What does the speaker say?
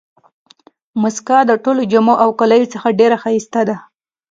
مسکا د ټولو جامو او کالیو څخه ډېره ښایسته ده.